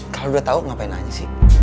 kalo udah tau ngapain nanya sih